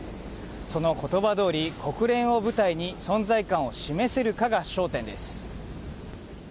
そのことばどおり、国連を舞台に存在感を示せるかが焦点です。